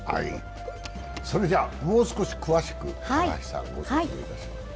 それじゃ、もう少し詳しく、唐橋さん、お願いします。